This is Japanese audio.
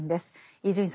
伊集院さん